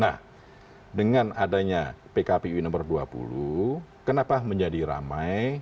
nah dengan adanya pkpu nomor dua puluh kenapa menjadi ramai